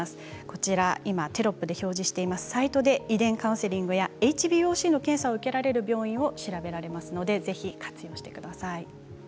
こちら今テロップで表示していますサイトで遺伝カウンセリングやＨＢＯＣの検査を受けられる病院を調べられますのでぜひ活用してください。